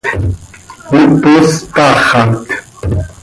¿Mipos taaxat?